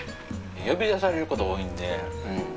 呼び出されること多いんで。